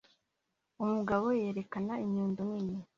Umugabo yerekana inyundo nini